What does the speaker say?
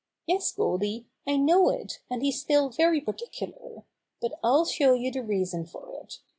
"Yes, Goldy, I know it, and he's still very particular. But I'll show you the reason fot it.